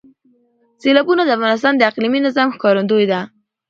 سیلابونه د افغانستان د اقلیمي نظام ښکارندوی ده.